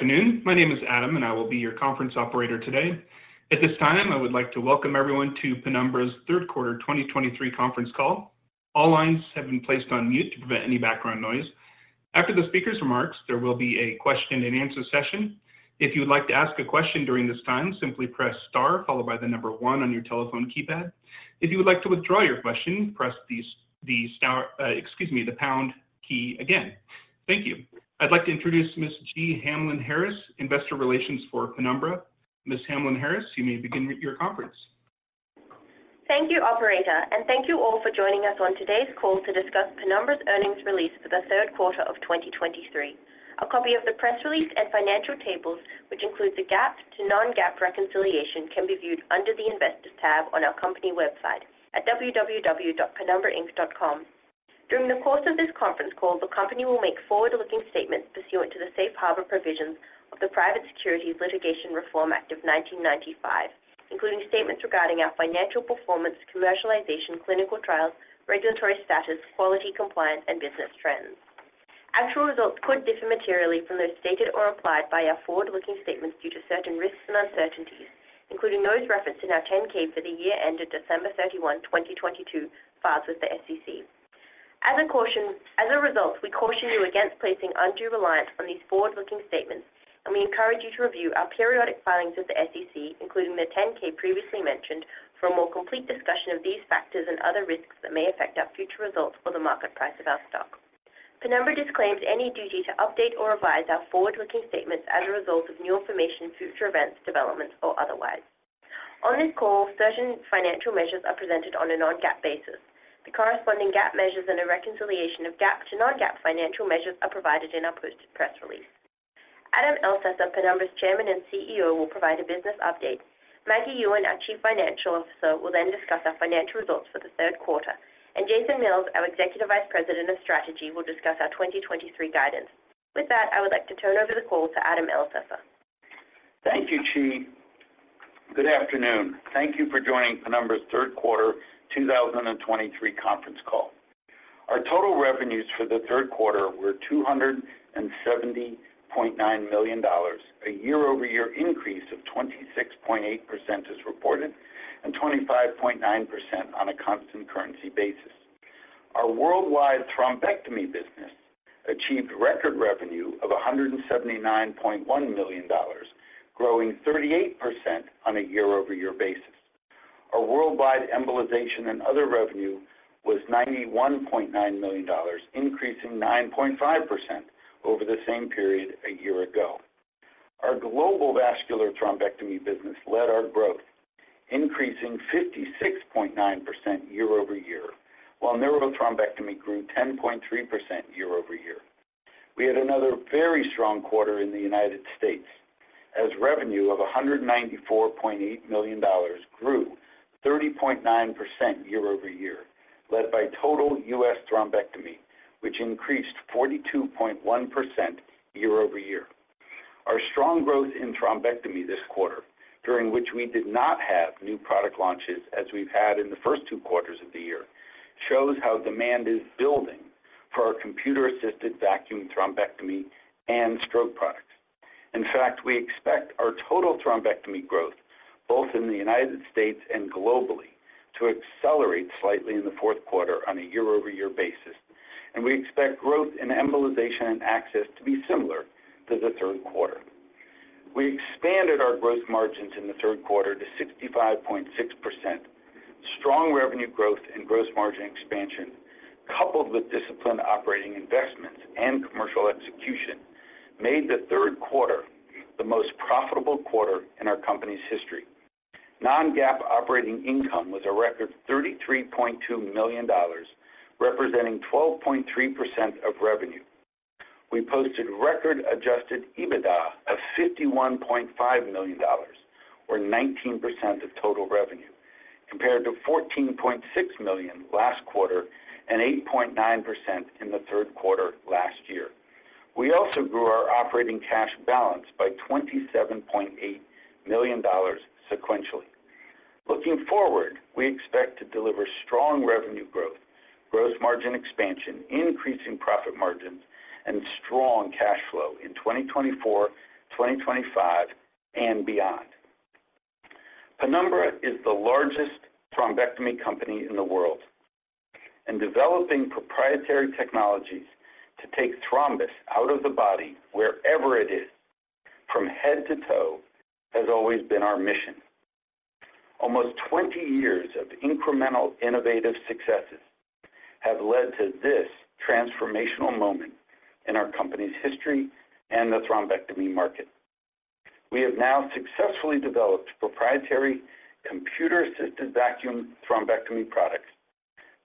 Good afternoon. My name is Adam, and I will be your conference operator today. At this time, I would like to welcome everyone to Penumbra's Third Quarter 2023 Conference Call. All lines have been placed on mute to prevent any background noise. After the speaker's remarks, there will be a question and answer session. If you would like to ask a question during this time, simply press star followed by the number 1 on your telephone keypad. If you would like to withdraw your question, press the star, excuse me, the pound key again. Thank you. I'd like to introduce Ms. Jee Hamlyn-Harris, Investor Relations for Penumbra. Ms. Hamlyn-Harris, you may begin your conference. Thank you, operator, and thank you all for joining us on today's call to discuss Penumbra's earnings release for the third quarter of 2023. A copy of the press release and financial tables, which includes a GAAP to non-GAAP reconciliation, can be viewed under the Investors tab on our company website at www.penumbrainc.com. During the course of this conference call, the company will make forward-looking statements pursuant to the Safe Harbor Provisions of the Private Securities Litigation Reform Act of 1995, including statements regarding our financial performance, commercialization, clinical trials, regulatory status, quality, compliance, and business trends. Actual results could differ materially from those stated or implied by our forward-looking statements due to certain risks and uncertainties, including those referenced in our 10-K for the year ended December 31, 2022, filed with the SEC. As a result, we caution you against placing undue reliance on these forward-looking statements, and we encourage you to review our periodic filings with the SEC, including the 10-K previously mentioned, for a more complete discussion of these factors and other risks that may affect our future results or the market price of our stock. Penumbra disclaims any duty to update or revise our forward-looking statements as a result of new information, future events, developments, or otherwise. On this call, certain financial measures are presented on a non-GAAP basis. The corresponding GAAP measures and a reconciliation of GAAP to non-GAAP financial measures are provided in our posted press release. Adam Elsesser, Penumbra's Chairman and CEO, will provide a business update. Maggie Yuen, our Chief Financial Officer, will then discuss our financial results for the third quarter. Jason Mills, our Executive Vice President of Strategy, will discuss our 2023 guidance. With that, I would like to turn over the call to Adam Elsesser. Thank you, Jee. Good afternoon. Thank you for joining Penumbra's third quarter 2023 conference call. Our total revenues for the third quarter were $270.9 million, a year-over-year increase of 26.8% as reported, and 25.9% on a constant currency basis. Our worldwide thrombectomy business achieved record revenue of $179.1 million, growing 38% on a year-over-year basis. Our worldwide embolization and other revenue was $91.9 million, increasing 9.5% over the same period a year ago. Our global vascular thrombectomy business led our growth, increasing 56.9% year-over-year, while neurothrombectomy grew 10.3% year-over-year. We had another very strong quarter in the United States, as revenue of $194.8 million grew 30.9% year-over-year, led by total U.S. thrombectomy, which increased 42.1% year-over-year. Our strong growth in thrombectomy this quarter, during which we did not have new product launches as we've had in the first two quarters of the year, shows how demand is building for our computer-assisted vacuum thrombectomy and stroke products. In fact, we expect our total thrombectomy growth, both in the United States and globally, to accelerate slightly in the fourth quarter on a year-over-year basis, and we expect growth in embolization and access to be similar to the third quarter. We expanded our gross margins in the third quarter to 65.6%. Strong revenue growth and gross margin expansion, coupled with disciplined operating investments and commercial execution, made the third quarter the most profitable quarter in our company's history. Non-GAAP operating income was a record $33.2 million, representing 12.3% of revenue. We posted record adjusted EBITDA of $51.5 million, or 19% of total revenue, compared to $14.6 million last quarter and 8.9% in the third quarter last year. We also grew our operating cash balance by $27.8 million sequentially. Looking forward, we expect to deliver strong revenue growth, gross margin expansion, increasing profit margins, and strong cash flow in 2024, 2025, and beyond. Penumbra is the largest thrombectomy company in the world, and developing proprietary technologies to take thrombus out of the body wherever it is, from head to toe, has always been our mission. Almost 20 years of incremental innovative successes have led to this transformational moment in our company's history and the thrombectomy market. We have now successfully developed proprietary computer-assisted vacuum thrombectomy products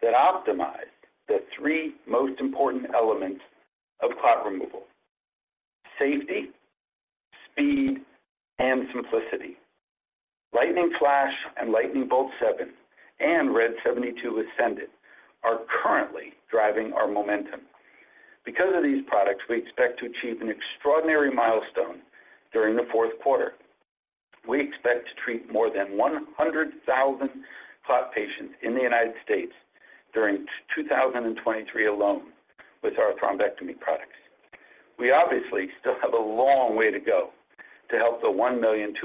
that optimize the three most important elements of clot removal: safety, speed, and simplicity. Lightning Flash and Lightning Bolt 7 and RED 72 with SENDit are currently driving our momentum. Because of these products, we expect to achieve an extraordinary milestone during the fourth quarter. We expect to treat more than 100,000 clot patients in the United States during 2023 alone with our thrombectomy products. We obviously still have a long way to go to help the 1,250,000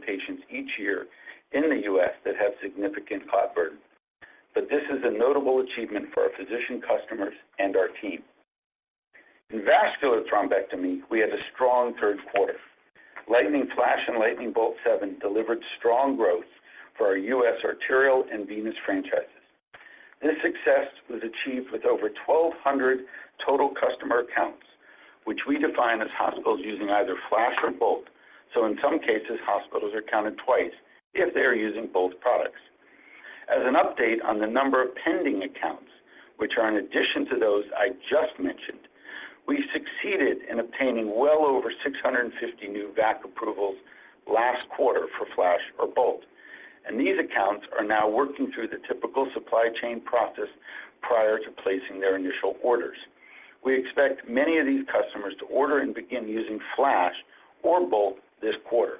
patients each year in the U.S. that have significant clot burden. But this is a notable achievement for our physician customers and our team. In vascular thrombectomy, we had a strong third quarter. Lightning Flash and Lightning Bolt 7 delivered strong growth for our U.S. arterial and venous franchises. This success was achieved with over 1,200 total customer accounts, which we define as hospitals using either Flash or Bolt. So in some cases, hospitals are counted twice if they are using both products. As an update on the number of pending accounts, which are in addition to those I just mentioned, we succeeded in obtaining well over 650 new VAC approvals last quarter for Flash or Bolt, and these accounts are now working through the typical supply chain process prior to placing their initial orders. We expect many of these customers to order and begin using Flash or Bolt this quarter.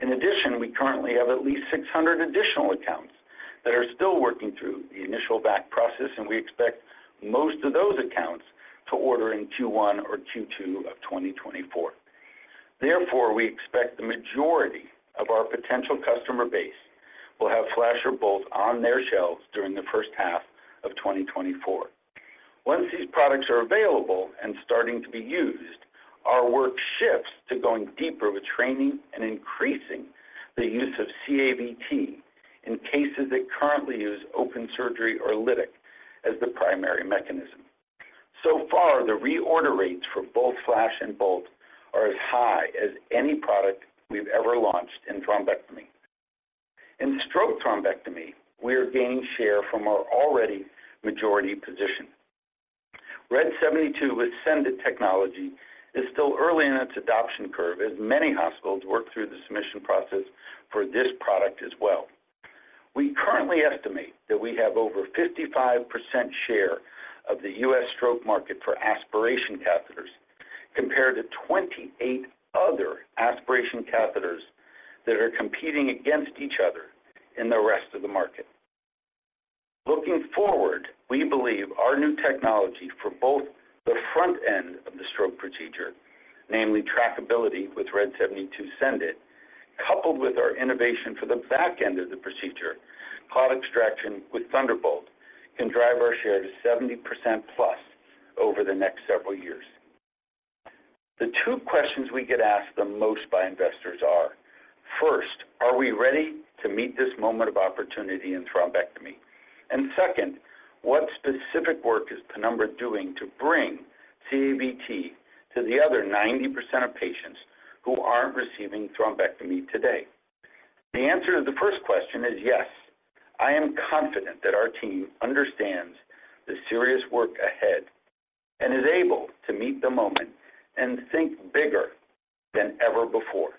In addition, we currently have at least 600 additional accounts that are still working through the initial VAC process, and we expect most of those accounts to order in Q1 or Q2 of 2024. Therefore, we expect the majority of our potential customer base will have Flash or Bolt on their shelves during the first half of 2024. Once these products are available and starting to be used, our work shifts to going deeper with training and increasing the use of CAVT in cases that currently use open surgery or lytic as the primary mechanism. So far, the reorder rates for both Flash and Bolt are as high as any product we've ever launched in thrombectomy. In stroke thrombectomy, we are gaining share from our already majority position. RED 72 with SENDit technology is still early in its adoption curve as many hospitals work through the submission process for this product as well. We currently estimate that we have over 55% share of the U.S. stroke market for aspiration catheters, compared to 28 other aspiration catheters that are competing against each other in the rest of the market. Looking forward, we believe our new technology for both the front end of the stroke procedure, namely trackability with RED 72 SENDit, coupled with our innovation for the back end of the procedure, clot extraction with Thunderbolt, can drive our share to 70%+ over the next several years. The two questions we get asked the most by investors are: First, are we ready to meet this moment of opportunity in thrombectomy? And second, what specific work is Penumbra doing to bring CAVT to the other 90% of patients who aren't receiving thrombectomy today? The answer to the first question is yes. I am confident that our team understands the serious work ahead and is able to meet the moment and think bigger than ever before.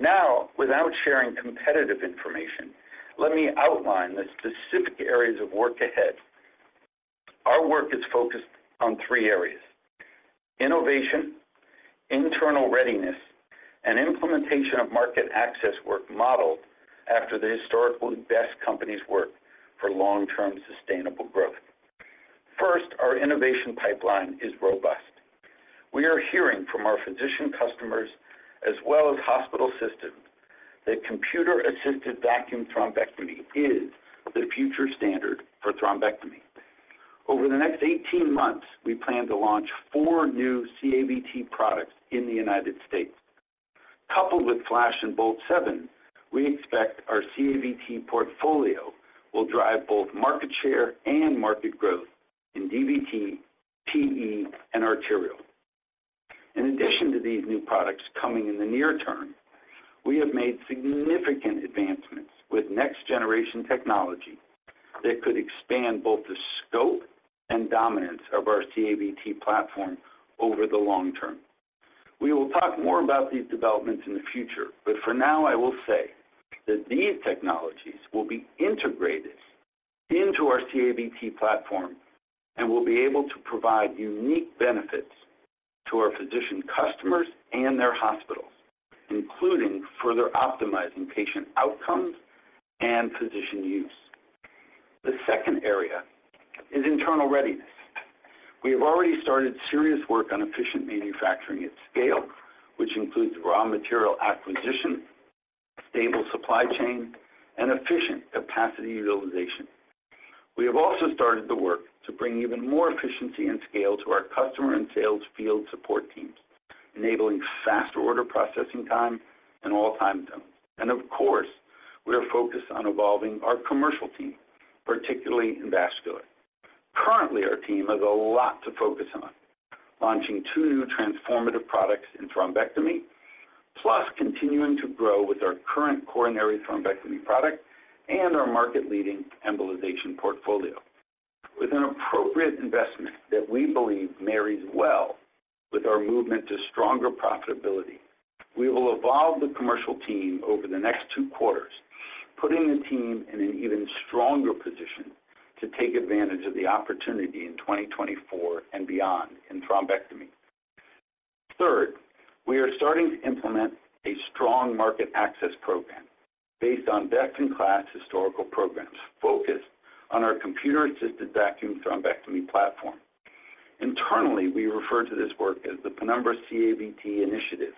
Now, without sharing competitive information, let me outline the specific areas of work ahead. Our work is focused on three areas: innovation, internal readiness, and implementation of market access work modeled after the historically best companies work for long-term sustainable growth. First, our innovation pipeline is robust. We are hearing from our physician customers as well as hospital systems that computer-assisted vacuum thrombectomy is the future standard for thrombectomy. Over the next 18 months, we plan to launch four new CAVT products in the United States. Coupled with Flash and Bolt 7, we expect our CAVT portfolio will drive both market share and market growth in DVT, PE, and arterial. In addition to these new products coming in the near term, we have made significant advancements with next generation technology that could expand both the scope and dominance of our CAVT platform over the long term. We will talk more about these developments in the future, but for now, I will say that these technologies will be integrated into our CAVT platform and will be able to provide unique benefits to our physician customers and their hospitals, including further optimizing patient outcomes and physician use. The second area is internal readiness. We have already started serious work on efficient manufacturing at scale, which includes raw material acquisition, stable supply chain, and efficient capacity utilization. We have also started the work to bring even more efficiency and scale to our customer and sales field support teams, enabling faster order processing time in all time zones. Of course, we are focused on evolving our commercial team, particularly in vascular. Currently, our team has a lot to focus on, launching two new transformative products in thrombectomy, plus continuing to grow with our current coronary thrombectomy product and our market-leading embolization portfolio. With an appropriate investment that we believe marries well with our movement to stronger profitability, we will evolve the commercial team over the next two quarters... putting the team in an even stronger position to take advantage of the opportunity in 2024 and beyond in thrombectomy. Third, we are starting to implement a strong market access program based on best-in-class historical programs focused on our computer-assisted vacuum thrombectomy platform. Internally, we refer to this work as the Penumbra CAVT Initiative,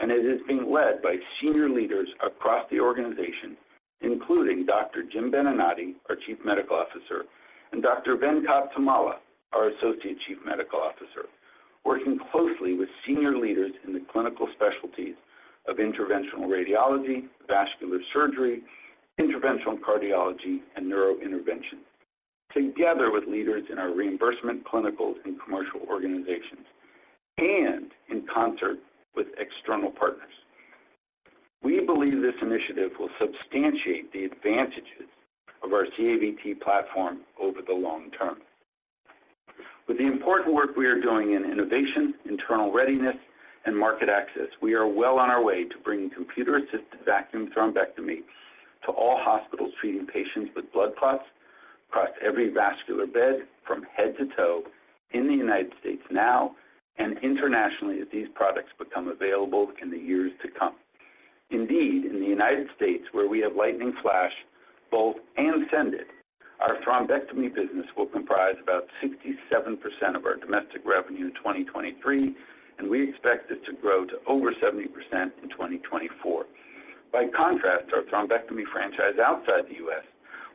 and it is being led by senior leaders across the organization, including Dr. Jim Benenati, our Chief Medical Officer, and Dr. Venkat Tummala, our Associate Chief Medical Officer, working closely with senior leaders in the clinical specialties of interventional radiology, vascular surgery, interventional cardiology, and neurointervention, together with leaders in our reimbursement, clinical, and commercial organizations, and in concert with external partners. We believe this initiative will substantiate the advantages of our CAVT platform over the long term. With the important work we are doing in innovation, internal readiness, and market access, we are well on our way to bringing computer-assisted vacuum thrombectomy to all hospitals treating patients with blood clots across every vascular bed from head to toe in the United States now and internationally, as these products become available in the years to come. Indeed, in the United States, where we have Lightning Flash, Bolt, and SENDit, our thrombectomy business will comprise about 67% of our domestic revenue in 2023, and we expect it to grow to over 70% in 2024. By contrast, our thrombectomy franchise outside the U.S.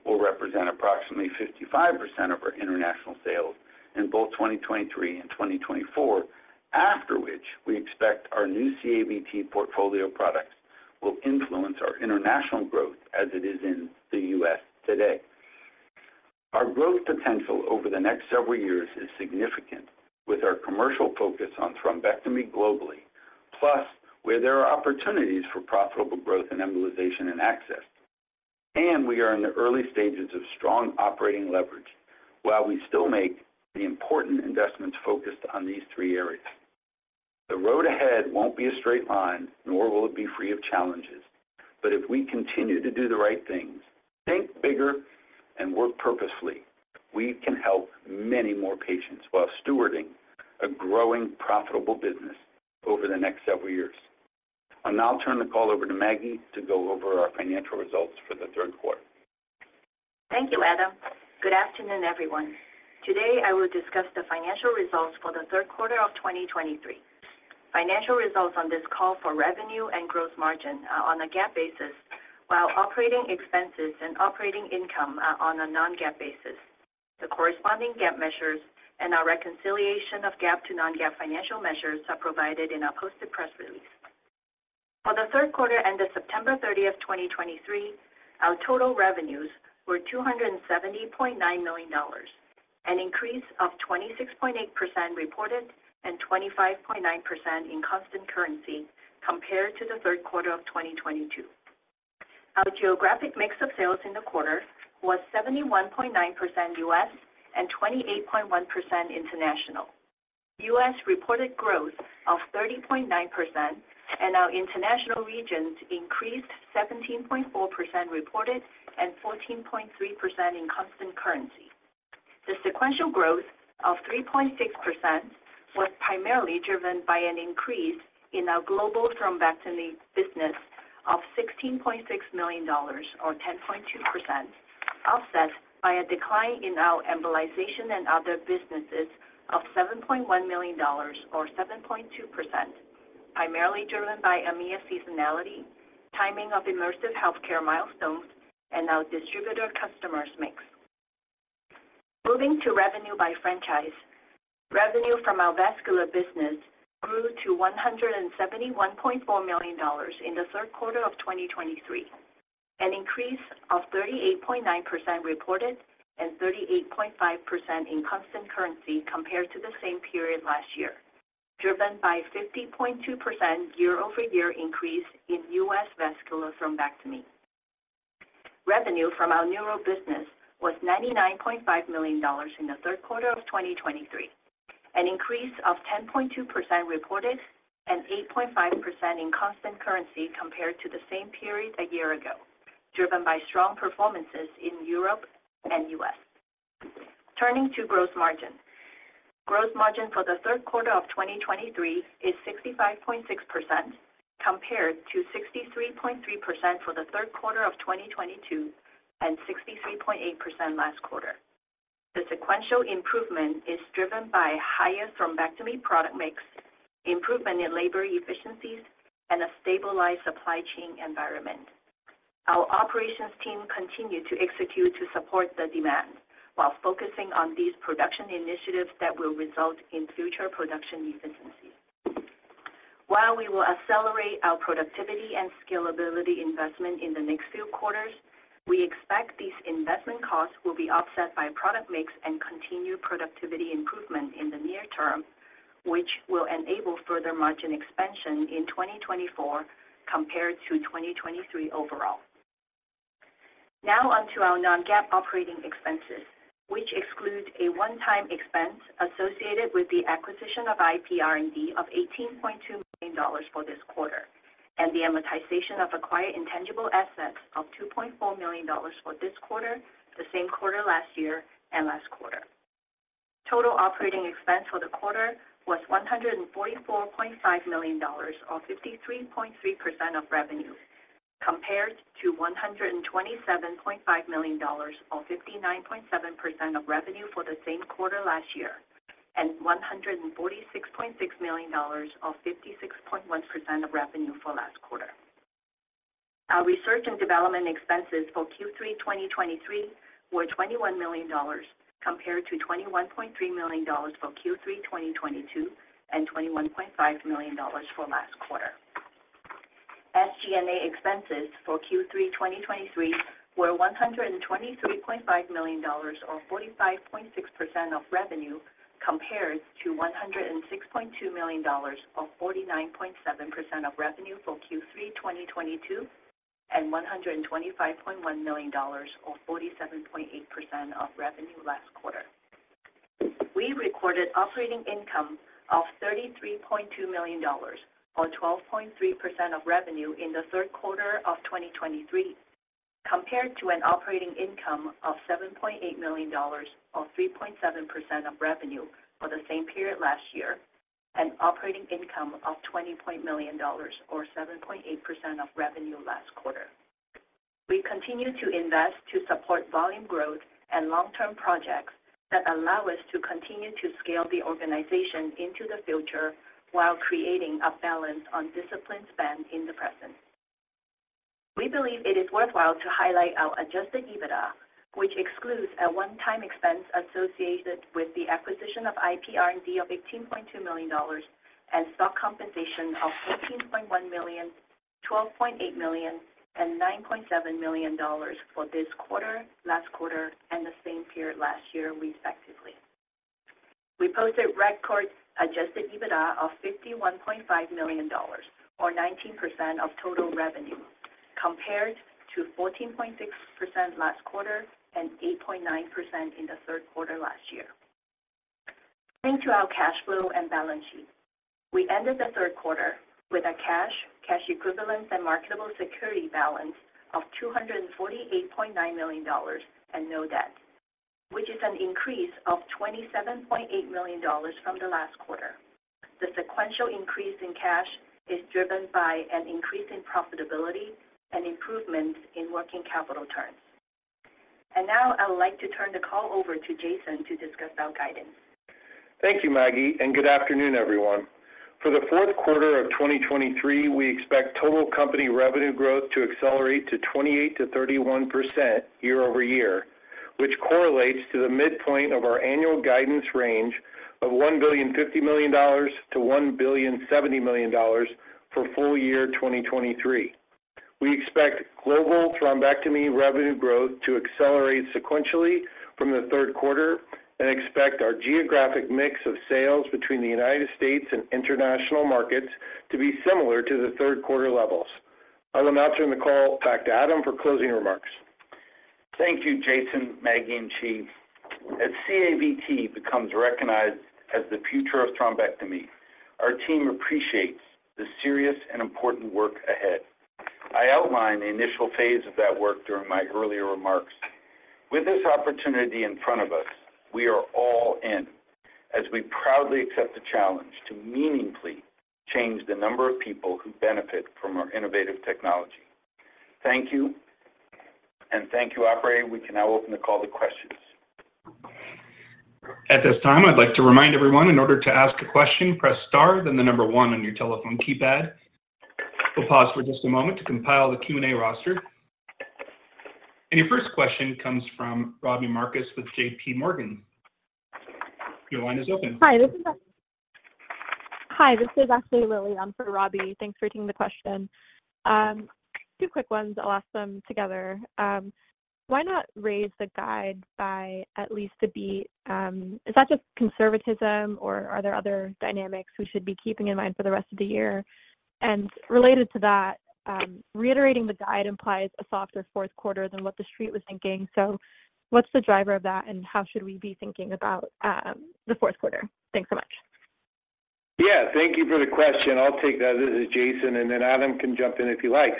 will represent approximately 55% of our international sales in both 2023 and 2024, after which we expect our new CAVT portfolio products will influence our international growth as it is in the U.S. today. Our growth potential over the next several years is significant, with our commercial focus on thrombectomy globally, plus where there are opportunities for profitable growth in embolization and access. We are in the early stages of strong operating leverage, while we still make the important investments focused on these three areas. The road ahead won't be a straight line, nor will it be free of challenges. But if we continue to do the right things, think bigger and work purposefully, we can help many more patients while stewarding a growing, profitable business over the next several years. I'll now turn the call over to Maggie to go over our financial results for the third quarter. Thank you, Adam. Good afternoon, everyone. Today, I will discuss the financial results for the third quarter of 2023. Financial results on this call for revenue and gross margin are on a GAAP basis, while operating expenses and operating income are on a non-GAAP basis. The corresponding GAAP measures and our reconciliation of GAAP to non-GAAP financial measures are provided in our posted press release. For the third quarter ended September 30, 2023, our total revenues were $270.9 million, an increase of 26.8% reported and 25.9% in constant currency compared to the third quarter of 2022. Our geographic mix of sales in the quarter was 71.9% U.S. and 28.1% international. U.S. reported growth of 30.9% and our international regions increased 17.4% reported and 14.3% in constant currency. The sequential growth of 3.6% was primarily driven by an increase in our global thrombectomy business of $16.6 million, or 10.2%, offset by a decline in our embolization and other businesses of $7.1 million or 7.2%, primarily driven by EMEA seasonality, timing of immersive healthcare milestones, and our distributor customers mix. Moving to revenue by franchise. Revenue from our vascular business grew to $171.4 million in the third quarter of 2023, an increase of 38.9% reported and 38.5% in constant currency compared to the same period last year, driven by a 50.2% year-over-year increase in U.S. vascular thrombectomy. Revenue from our neuro business was $99.5 million in the third quarter of 2023, an increase of 10.2% reported and 8.5% in constant currency compared to the same period a year ago, driven by strong performances in Europe and U.S. Turning to gross margin. Gross margin for the third quarter of 2023 is 65.6%, compared to 63.3% for the third quarter of 2022 and 63.8% last quarter. The sequential improvement is driven by higher thrombectomy product mix, improvement in labor efficiencies, and a stabilized supply chain environment. Our operations team continued to execute to support the demand while focusing on these production initiatives that will result in future production efficiencies. While we will accelerate our productivity and scalability investment in the next few quarters, we expect these investment costs will be offset by product mix and continued productivity improvement in the near term, which will enable further margin expansion in 2024 compared to 2023 overall.... Now on to our non-GAAP operating expenses, which excludes a one-time expense associated with the acquisition of IP R&D of $18.2 million for this quarter, and the amortization of acquired intangible assets of $2.4 million for this quarter, the same quarter last year and last quarter. Total operating expense for the quarter was $144.5 million, or 53.3% of revenue, compared to $127.5 million, or 59.7% of revenue for the same quarter last year, and $146.6 million, or 56.1% of revenue for last quarter. Our research and development expenses for Q3 2023 were $21 million, compared to $21.3 million for Q3 2022, and $21.5 million for last quarter. SG&A expenses for Q3 2023 were $123.5 million, or 45.6% of revenue, compared to $106.2 million, or 49.7% of revenue for Q3 2022, and $125.1 million, or 47.8% of revenue last quarter. We recorded operating income of $33.2 million, or 12.3% of revenue in the third quarter of 2023, compared to an operating income of $7.8 million, or 3.7% of revenue for the same period last year, and operating income of $20 million, or 7.8% of revenue last quarter. We continue to invest to support volume growth and long-term projects that allow us to continue to scale the organization into the future while creating a balance on disciplined spend in the present. We believe it is worthwhile to highlight our adjusted EBITDA, which excludes a one-time expense associated with the acquisition of IP R&D of $18.2 million and stock compensation of $14.1 million, $12.8 million, and $9.7 million for this quarter, last quarter, and the same period last year, respectively. We posted record adjusted EBITDA of $51.5 million, or 19% of total revenue, compared to 14.6% last quarter and 8.9% in the third quarter last year. Turning to our cash flow and balance sheet. We ended the third quarter with a cash, cash equivalent, and marketable security balance of $248.9 million and no debt, which is an increase of $27.8 million from the last quarter. The sequential increase in cash is driven by an increase in profitability and improvements in working capital terms. And now I would like to turn the call over to Jason to discuss our guidance. Thank you, Maggie, and good afternoon, everyone. For the fourth quarter of 2023, we expect total company revenue growth to accelerate to 28%-31% year-over-year, which correlates to the midpoint of our annual guidance range of $1.05 billion-$1.07 billion for full year 2023. We expect global thrombectomy revenue growth to accelerate sequentially from the third quarter and expect our geographic mix of sales between the United States and international markets to be similar to the third quarter levels. I will now turn the call back to Adam for closing remarks. Thank you, Jason, Maggie, and team. As CAVT becomes recognized as the future of thrombectomy, our team appreciates the serious and important work ahead. I outlined the initial phase of that work during my earlier remarks. With this opportunity in front of us, we are all in as we proudly accept the challenge to meaningfully change the number of people who benefit from our innovative technology. Thank you, and thank you, operator. We can now open the call to questions. At this time, I'd like to remind everyone, in order to ask a question, press Star, then the number one on your telephone keypad. We'll pause for just a moment to compile the Q&A roster. Your first question comes from Robbie Marcus with JP Morgan. Your line is open. Hi, this is Ashley Helali. I'm for Robbie. Thanks for taking the question. Two quick ones. I'll ask them together. Why not raise the guide by at least to be... Is that just conservatism or are there other dynamics we should be keeping in mind for the rest of the year? And related to that, reiterating the guide implies a softer fourth quarter than what the street was thinking. So what's the driver of that, and how should we be thinking about the fourth quarter? Thanks so much. Yeah, thank you for the question. I'll take that. This is Jason, and then Adam can jump in if he likes.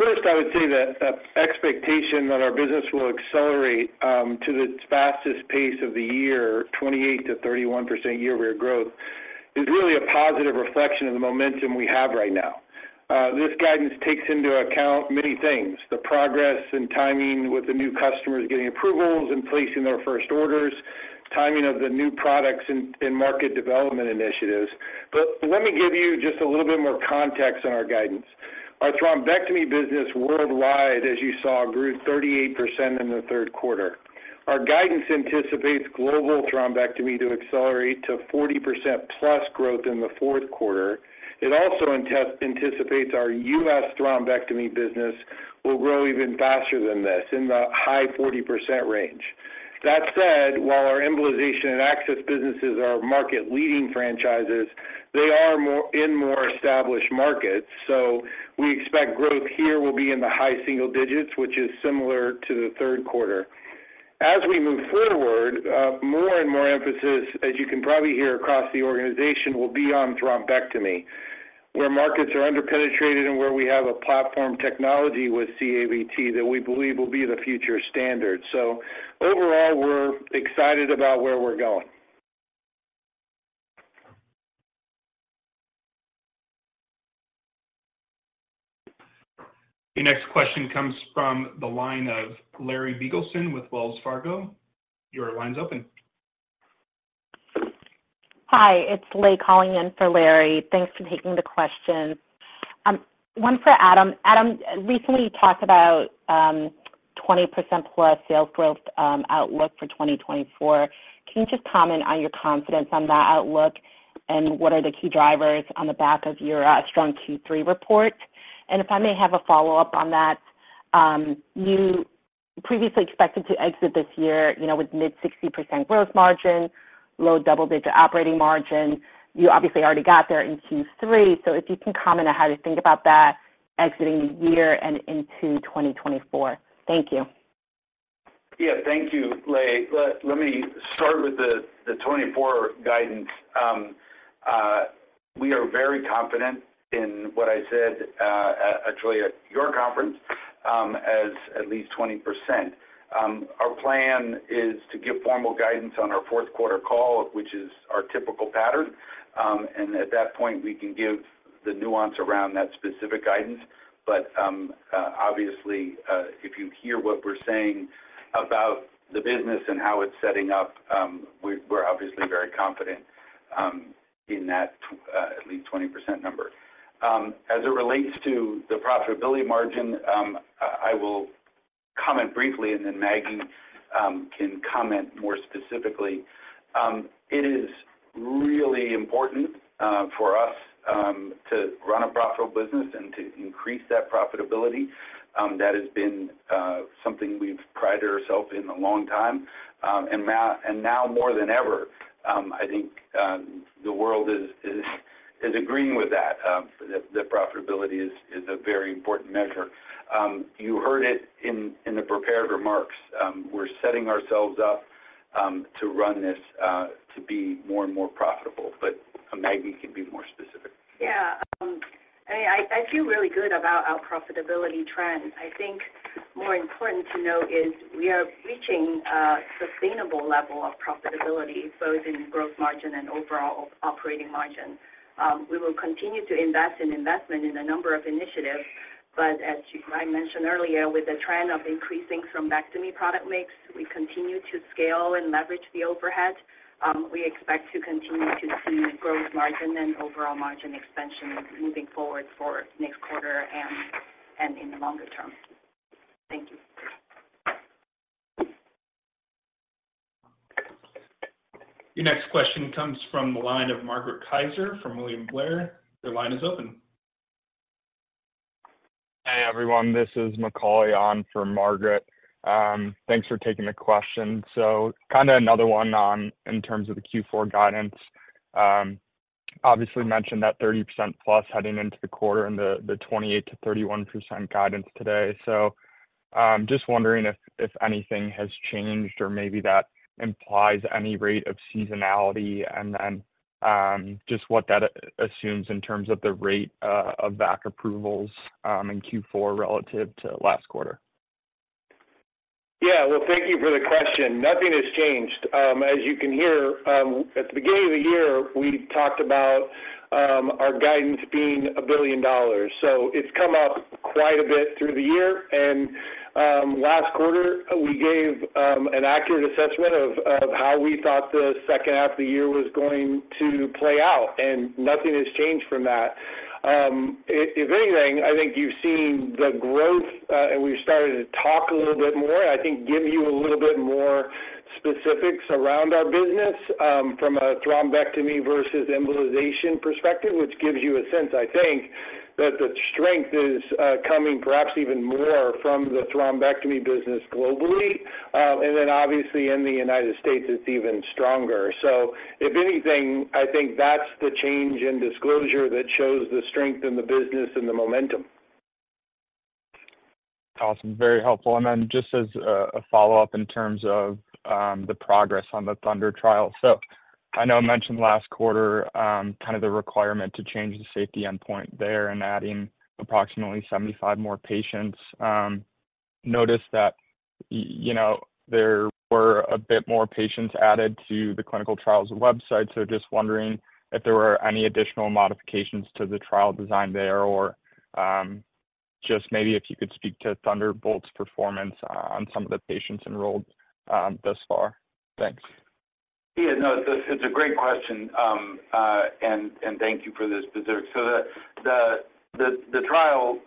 First, I would say that the expectation that our business will accelerate to the fastest pace of the year, 28%-31% year-over-year growth, is really a positive reflection of the momentum we have right now. This guidance takes into account many things: the progress and timing with the new customers getting approvals and placing their first orders, timing of the new products and, and market development initiatives. But let me give you just a little bit more context on our guidance. Our thrombectomy business worldwide, as you saw, grew 38% in the third quarter. Our guidance anticipates global thrombectomy to accelerate to 40%+ growth in the fourth quarter. It also anticipates our U.S. thrombectomy business will grow even faster than this, in the high 40% range. That said, while our embolization and access businesses are market-leading franchises, they are in more established markets. So we expect growth here will be in the high single digits, which is similar to the third quarter. As we move forward, more and more emphasis, as you can probably hear across the organization, will be on thrombectomy, where markets are under-penetrated and where we have a platform technology with CAVT that we believe will be the future standard. So overall, we're excited about where we're going. The next question comes from the line of Larry Biegelsen with Wells Fargo. Your line's open. Hi, it's Lei calling in for Larry. Thanks for taking the question. One for Adam. Adam, recently, you talked about 20%+ sales growth outlook for 2024. Can you just comment on your confidence on that outlook, and what are the key drivers on the back of your strong Q3 report? If I may have a follow-up on that, you previously expected to exit this year, you know, with mid-60% gross margin, low double-digit operating margin. You obviously already got there in Q3, so if you can comment on how to think about that exiting the year and into 2024. Thank you. Yeah, thank you, Lei. Let me start with the 2024 guidance. We are very confident in what I said, actually at your conference, as at least 20%. Our plan is to give formal guidance on our fourth quarter call, which is our typical pattern, and at that point, we can give the nuance around that specific guidance. But obviously, if you hear what we're saying about the business and how it's setting up, we're obviously very confident in that at least 20% number. As it relates to the profitability margin, I will comment briefly, and then Maggie can comment more specifically. It is really important for us to run a profitable business and to increase that profitability. That has been something we've prided ourselves in a long time, and now, and now more than ever, I think, the world is agreeing with that, that profitability is a very important measure. You heard it in the prepared remarks. We're setting ourselves up to run this to be more and more profitable, but Maggie can be more specific. Yeah. I feel really good about our profitability trend. I think more important to note is we are reaching a sustainable level of profitability, both in gross margin and overall operating margin. We will continue to invest in investment in a number of initiatives, but as I mentioned earlier, with the trend of increasing thrombectomy product mix, we continue to scale and leverage the overhead. We expect to continue to see gross margin and overall margin expansion moving forward for next quarter and in the longer term. Thank you. Your next question comes from the line of Margaret Kaczor from William Blair. Your line is open. Hey, everyone, this is Macaulay on for Margaret. Thanks for taking the question. So kind of another one on in terms of the Q4 guidance. Obviously, you mentioned that 30%+ heading into the quarter and the 28%-31% guidance today. So, just wondering if anything has changed or maybe that implies any rate of seasonality, and then, just what that assumes in terms of the rate of VAC approvals in Q4 relative to last quarter? Yeah. Well, thank you for the question. Nothing has changed. As you can hear, at the beginning of the year, we talked about our guidance being $1 billion. So it's come up quite a bit through the year, and last quarter, we gave an accurate assessment of how we thought the second half of the year was going to play out, and nothing has changed from that. If anything, I think you've seen the growth, and we've started to talk a little bit more, I think give you a little bit more specifics around our business from a thrombectomy versus embolization perspective, which gives you a sense, I think, that the strength is coming perhaps even more from the thrombectomy business globally. And then obviously, in the United States, it's even stronger. If anything, I think that's the change in disclosure that shows the strength in the business and the momentum. Awesome. Very helpful. And then just as a follow-up in terms of the progress on the THUNDER Trial. So I know I mentioned last quarter kind of the requirement to change the safety endpoint there and adding approximately 75 more patients. Noticed that, you know, there were a bit more patients added to the clinical trials website, so just wondering if there were any additional modifications to the trial design there, or just maybe if you could speak to Thunderbolt's performance on some of the patients enrolled thus far. Thanks. Yeah, no, it's a great question, and thank you for this specific. So the trial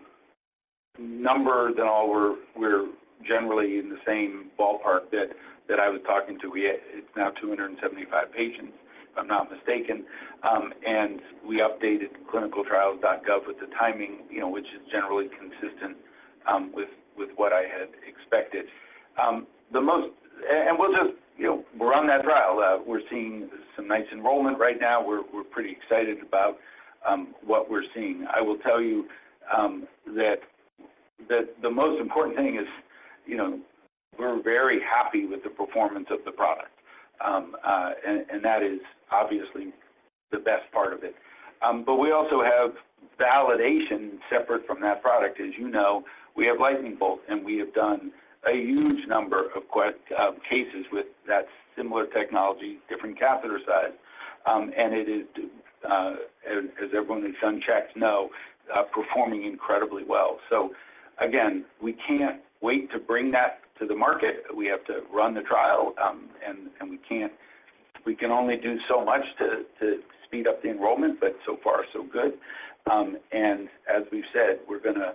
number and all were generally in the same ballpark that I was talking... so we, it's now 275 patients, if I'm not mistaken. And we updated ClinicalTrials.gov with the timing, you know, which is generally consistent with what I had expected. The most-- and we'll just, you know, we're on that trial. We're seeing some nice enrollment right now. We're pretty excited about what we're seeing. I will tell you that the most important thing is, you know, we're very happy with the performance of the product. And that is obviously the best part of it. But we also have validation separate from that product. As you know, we have Lightning Bolt, and we have done a huge number of cases with that similar technology, different catheter size. And it is, as everyone in the sector knows, performing incredibly well. So again, we can't wait to bring that to the market. We have to run the trial, and we can only do so much to speed up the enrollment, but so far, so good. And as we've said, we're gonna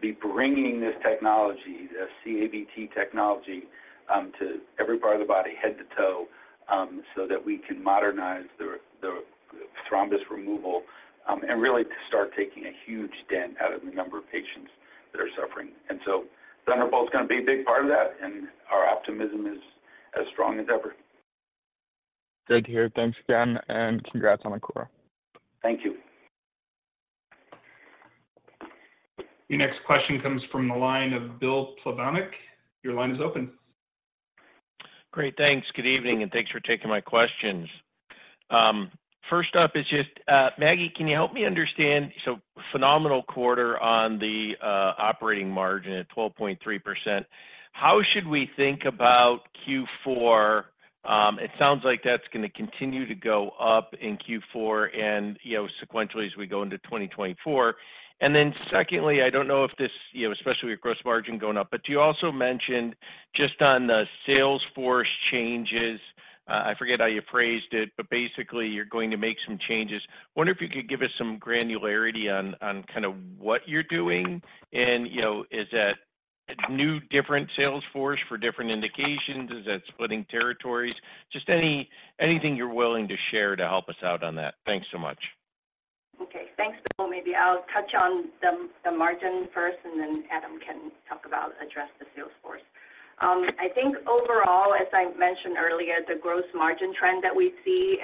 be bringing this technology, the CAVT technology, to every part of the body, head to toe, so that we can modernize the thrombus removal, and really to start taking a huge dent out of the number of patients that are suffering. And so Thunderbolt is gonna be a big part of that, and our optimism is as strong as ever. Good to hear. Thanks again, and congrats on the quarter. Thank you. Your next question comes from the line of Bill Plovanic. Your line is open. Great, thanks. Good evening, and thanks for taking my questions. First up is just, Maggie, can you help me understand, so phenomenal quarter on the operating margin at 12.3%. How should we think about Q4? It sounds like that's gonna continue to go up in Q4 and, you know, sequentially as we go into 2024. And then secondly, I don't know if this, you know, especially with gross margin going up, but you also mentioned just on the sales force changes, I forget how you phrased it, but basically you're going to make some changes. I wonder if you could give us some granularity on, on kind of what you're doing and, you know, is that a new different sales force for different indications? Is that splitting territories? Just anything you're willing to share to help us out on that. Thanks so much. Okay, thanks, Bill. Maybe I'll touch on the margin first, and then Adam can talk about address the sales force. I think overall, as I mentioned earlier, the gross margin trend that we see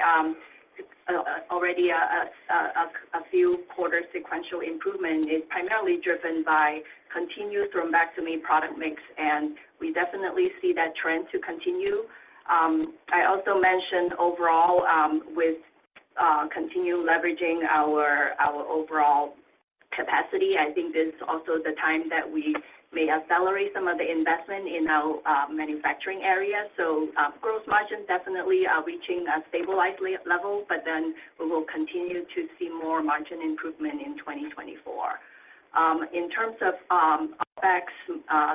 already a few quarters sequential improvement is primarily driven by continued thrombectomy product mix, and we definitely see that trend to continue. I also mentioned overall, with continued leveraging our overall capacity, I think this is also the time that we may accelerate some of the investment in our manufacturing areas. So, gross margins definitely are reaching a stabilized level, but then we will continue to see more margin improvement in 2024. In terms of OpEx,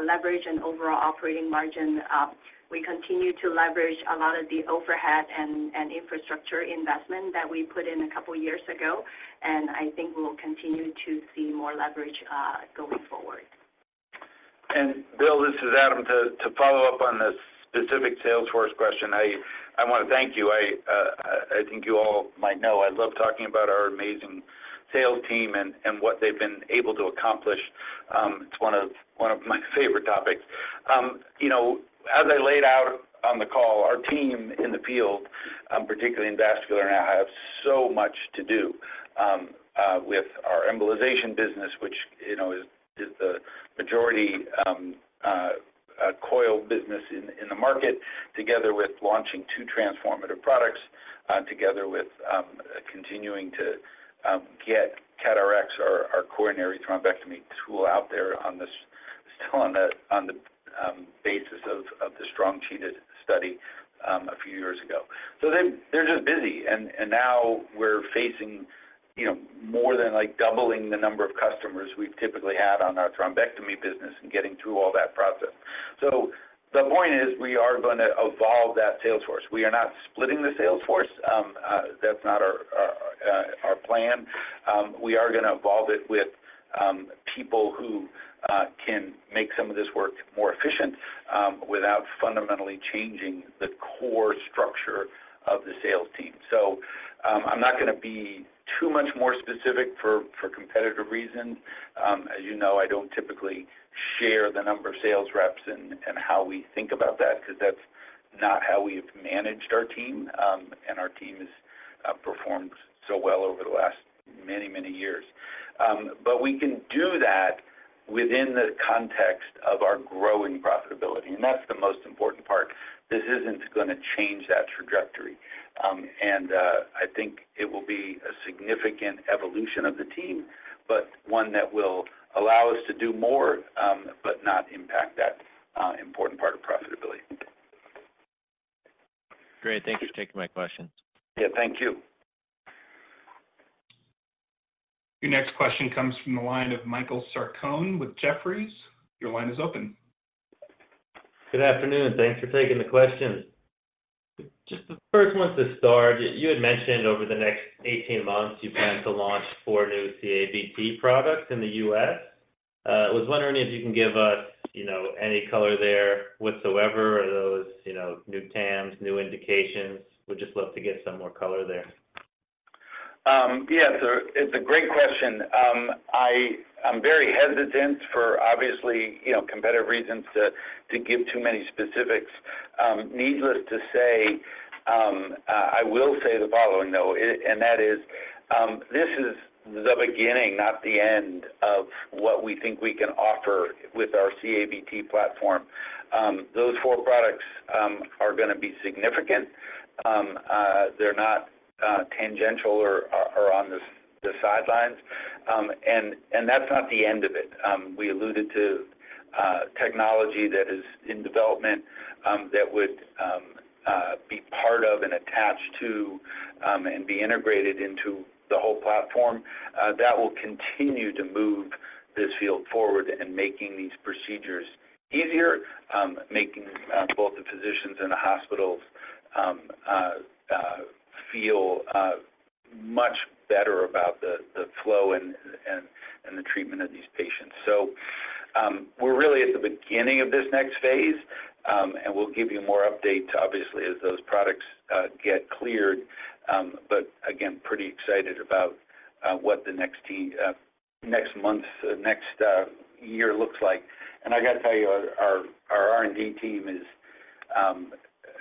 leverage and overall operating margin, we continue to leverage a lot of the overhead and infrastructure investment that we put in a couple of years ago, and I think we'll continue to see more leverage going forward. And Bill, this is Adam. To follow up on the specific sales force question, I want to thank you. I think you all might know I love talking about our amazing sales team and what they've been able to accomplish. It's one of my favorite topics. You know, as I laid out on the call, our team in the field, particularly in vascular and I have so much to do with our embolization business, which, you know, is the majority coil business in the market, together with launching two transformative products, together with continuing to get CAT RX, our coronary thrombectomy tool out there on this basis—still on the basis of the strong CHEETAH study a few years ago. So they're just busy, and now we're facing, you know, more than, like, doubling the number of customers we've typically had on our thrombectomy business and getting through all that process. So the point is, we are gonna evolve that sales force. We are not splitting the sales force. That's not our plan. We are gonna evolve it with people who can make some of this work more efficient, without fundamentally changing the core structure of the sales team. So, I'm not gonna be too much more specific for competitive reasons. As you know, I don't typically share the number of sales reps and how we think about that, because that's not how we've managed our team. And our team has performed so well over the last many, many years. But we can do that within the context of our growing profitability, and that's the most important part. This isn't gonna change that trajectory. And I think it will be a significant evolution of the team, but one that will allow us to do more, but not impact that important part of profitability. Great. Thank you for taking my questions. Yeah, thank you. Your next question comes from the line of Michael Sarcone with Jefferies. Your line is open. Good afternoon, thanks for taking the questions. First one to start, you had mentioned over the next 18 months, you plan to launch four new CAVT products in the U.S. I was wondering if you can give us, you know, any color there whatsoever, are those, you know, new TAMS, new indications? Would just love to get some more color there. Yeah, so it's a great question. I'm very hesitant for obviously, you know, competitive reasons, to give too many specifics. Needless to say, I will say the following, though, and that is, this is the beginning, not the end of what we think we can offer with our CAVT platform. Those four products are gonna be significant. They're not tangential or on the sidelines. And that's not the end of it. We alluded to technology that is in development that would be part of and attached to and be integrated into the whole platform. That will continue to move this field forward in making these procedures easier, making both the physicians and the hospitals feel much better about the flow and the treatment of these patients. So, we're really at the beginning of this next phase, and we'll give you more updates, obviously, as those products get cleared. But again, pretty excited about what the next month, next year looks like. And I gotta tell you, our R&D team is,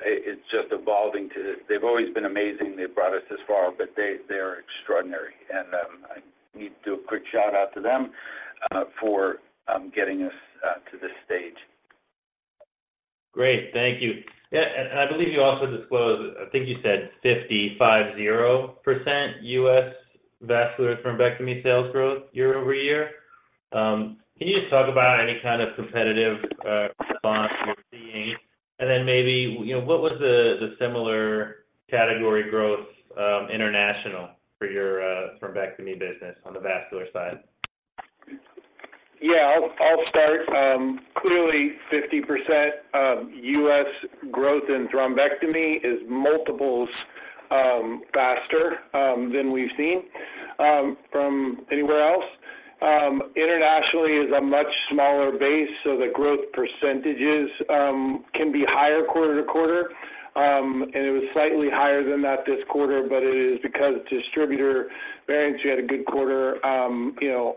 it's just evolving to... They've always been amazing. They've brought us this far, but they're extraordinary, and I need to do a quick shout-out to them for getting us to this stage. Great. Thank you. Yeah, and I believe you also disclosed, I think you said 50% U.S. vascular thrombectomy sales growth year-over-year. Can you just talk about any kind of competitive response we're seeing? And then maybe, you know, what was the similar category growth international for your thrombectomy business on the vascular side? Yeah, I'll start. Clearly, 50% U.S. growth in thrombectomy is multiples faster than we've seen from anywhere else. Internationally is a much smaller base, so the growth percentages can be higher quarter to quarter. It was slightly higher than that this quarter, but it is because distributor variance. You had a good quarter, you know,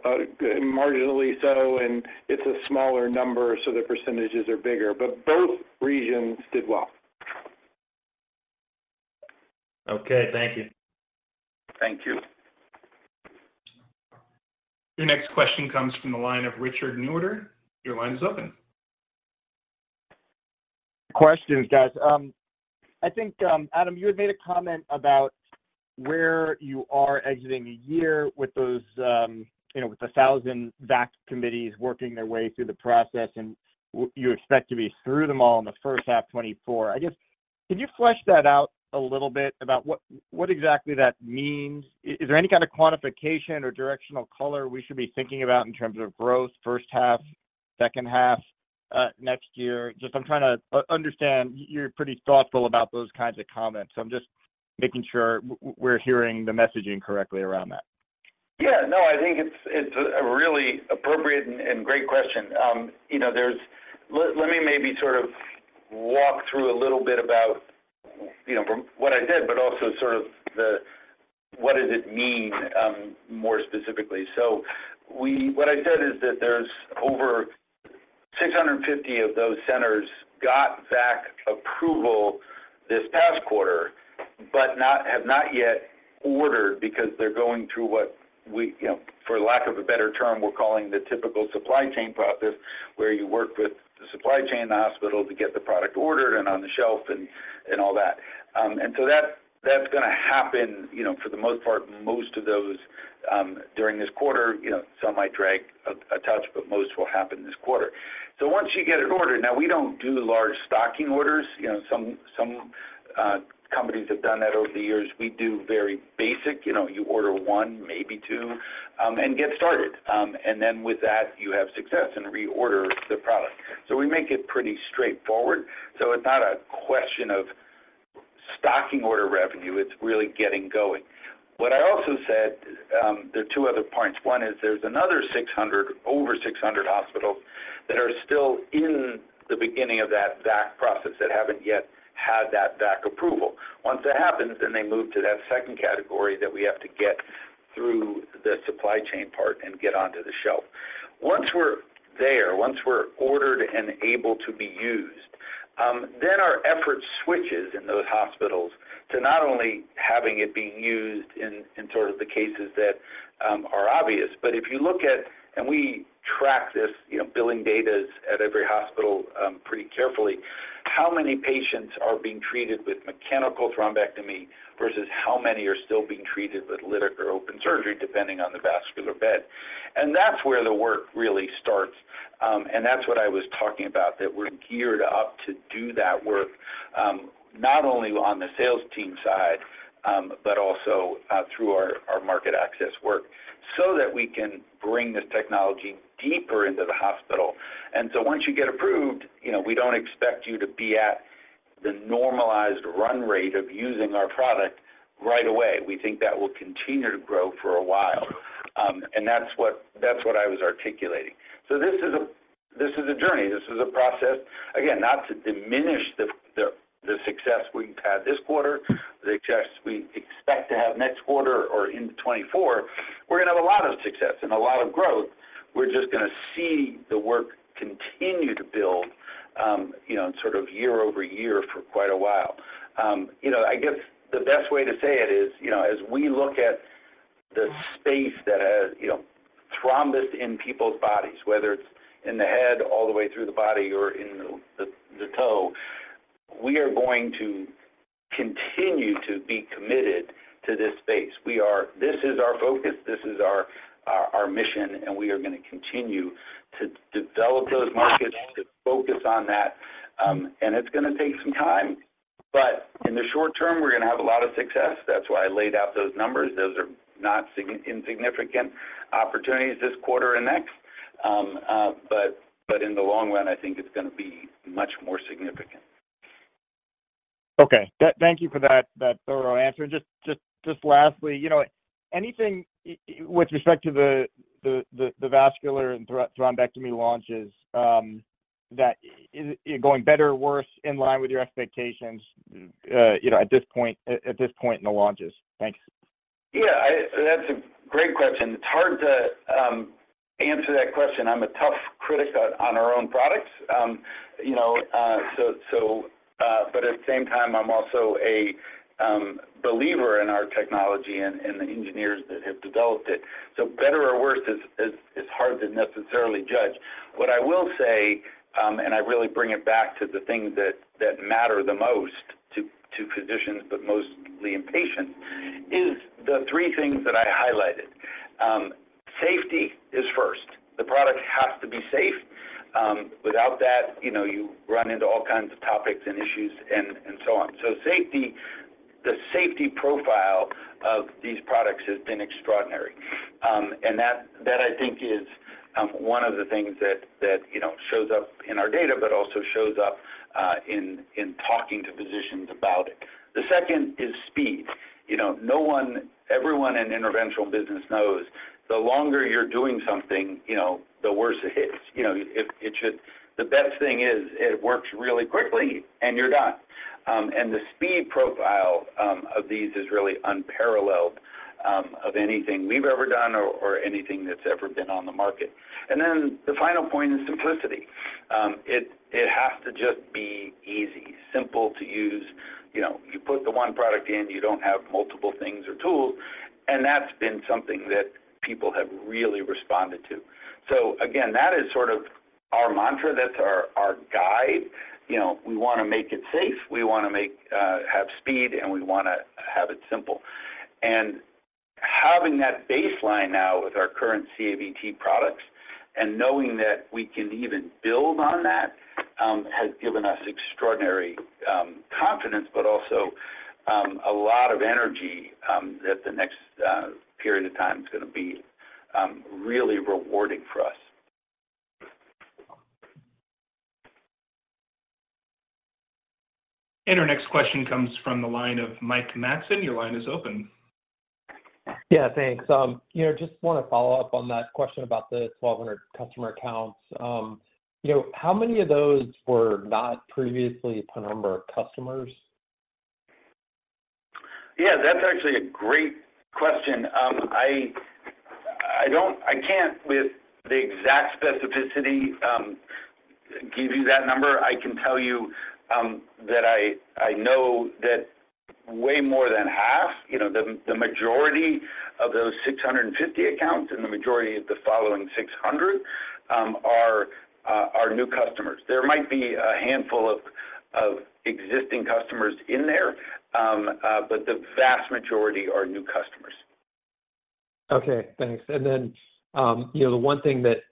marginally so, and it's a smaller number, so the percentages are bigger, but both regions did well. Okay, thank you. Thank you. Your next question comes from the line of Richard Newitter. Your line is open. Questions, guys. I think, Adam, you had made a comment about where you are exiting the year with those, you know, with 1,000 VAC committees working their way through the process, and you expect to be through them all in the first half, 2024. I guess, can you flesh that out a little bit about what, what exactly that means? Is there any kind of quantification or directional color we should be thinking about in terms of growth, first half, second half, next year? Just I'm trying to understand, you're pretty thoughtful about those kinds of comments, so I'm just making sure we're hearing the messaging correctly around that. Yeah, no, I think it's a really appropriate and great question. You know, there's... Let me maybe sort of walk through a little bit about, you know, from what I said, but also sort of the what does it mean more specifically. So what I said is that there's over 650 of those centers got VAC approval this past quarter, but not, have not yet ordered because they're going through what we, you know, for lack of a better term, we're calling the typical supply chain process, where you work with the supply chain in the hospital to get the product ordered and on the shelf and all that. And so that, that's gonna happen, you know, for the most part, most of those, during this quarter, you know, some might drag a touch, but most will happen this quarter. So once you get it ordered... Now, we don't do large stocking orders. You know, some companies have done that over the years. We do very basic, you know, you order one, maybe two, and get started. And then with that, you have success and reorder the product. So we make it pretty straightforward, so it's not a question of stocking order revenue, it's really getting going. What I also said, there are two other points. One is there's another 600, over 600 hospitals that are still in the beginning of that VAC process, that haven't yet had that VAC approval. Once that happens, then they move to that second category that we have to get through the supply chain part and get onto the shelf. Once we're there, once we're ordered and able to be used, then our effort switches in those hospitals to not only having it being used in, in sort of the cases that are obvious, but if you look at, and we track this, you know, billing data at every hospital pretty carefully, how many patients are being treated with mechanical thrombectomy versus how many are still being treated with lytic or open surgery, depending on the vascular bed. And that's where the work really starts, and that's what I was talking about, that we're geared up to do that work, not only on the sales team side-... but also, through our market access work, so that we can bring this technology deeper into the hospital. And so once you get approved, you know, we don't expect you to be at the normalized run rate of using our product right away. We think that will continue to grow for a while. And that's what, that's what I was articulating. So this is a, this is a journey. This is a process. Again, not to diminish the, the, the success we've had this quarter, the success we expect to have next quarter or into 2024. We're gonna have a lot of success and a lot of growth. We're just gonna see the work continue to build, you know, sort of year-over-year for quite a while. You know, I guess the best way to say it is, you know, as we look at the space that has, you know, thrombus in people's bodies, whether it's in the head, all the way through the body or in the toe, we are going to continue to be committed to this space. We are. This is our focus, this is our mission, and we are gonna continue to develop those markets, to focus on that, and it's gonna take some time. But in the short term, we're gonna have a lot of success. That's why I laid out those numbers. Those are not insignificant opportunities this quarter and next. But in the long run, I think it's gonna be much more significant. Okay. Thank you for that thorough answer. And just lastly, you know, anything with respect to the vascular and thrombectomy launches. Is it going better or worse in line with your expectations, you know, at this point in the launches? Thanks. Yeah, that's a great question. It's hard to answer that question. I'm a tough critic on our own products. You know, but at the same time, I'm also a believer in our technology and the engineers that have developed it. So better or worse is hard to necessarily judge. What I will say, and I really bring it back to the things that matter the most to physicians, but mostly in patients, is the three things that I highlighted. Safety is first. The product has to be safe. Without that, you know, you run into all kinds of topics and issues and so on. So safety, the safety profile of these products has been extraordinary. And that I think is one of the things that you know shows up in our data, but also shows up in talking to physicians about it. The second is speed. You know, everyone in interventional business knows the longer you're doing something, you know, the worse it is. You know, the best thing is, it works really quickly, and you're done. And the speed profile of these is really unparalleled of anything we've ever done or anything that's ever been on the market. And then the final point is simplicity. It has to just be easy, simple to use. You know, you put the one product in, you don't have multiple things or tools, and that's been something that people have really responded to. So again, that is sort of our mantra, that's our, our guide. You know, we wanna make it safe, we wanna make, have speed, and we wanna have it simple. And having that baseline now with our current CAVT products and knowing that we can even build on that, has given us extraordinary, confidence, but also, a lot of energy, that the next, period of time is gonna be, really rewarding for us. Our next question comes from the line of Mike Matson. Your line is open. Yeah, thanks. You know, just wanna follow up on that question about the 1,200 customer accounts. You know, how many of those were not previously Penumbra customers? Yeah, that's actually a great question. I, I don't- I can't, with the exact specificity, give you that number. I can tell you, that I, I know that way more than half, you know, the, the majority of those 650 accounts and the majority of the following 600, are, are new customers. There might be a handful of, of existing customers in there, but the vast majority are new customers. Okay, thanks. And then, you know, the one thing that